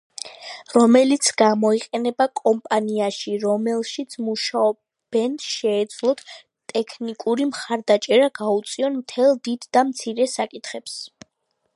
რომელიც გამოიყენება კომპანიაში რომელშიც მუშაობენ შეეძლოთ ტექნიკური მხარდაჭერა გაუწიონ მთელ დიდ და მცირე საკითხებს.